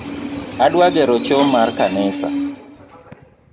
Adwa gero choo mar kanisa